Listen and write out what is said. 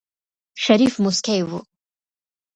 شريف موسکی و.